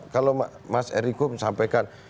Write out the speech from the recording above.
kalau mas ericko sampaikan